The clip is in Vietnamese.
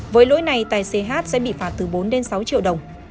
với lỗi này tài xế h sẽ bị phạt từ bốn đến sáu triệu đồng